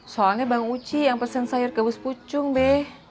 soalnya bang uci yang pesen sayur gabus pucung deh